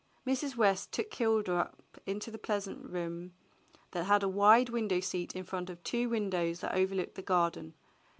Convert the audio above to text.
Mrs. West took Hilda up into a pleasant room that had a wide window seat in front of two windows that overlooked the garden.